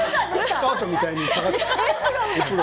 スカートみたいに下がってきた。